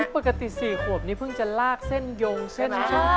ปกติ๔ขวบนี้เพิ่งจะลากเส้นยงเส้น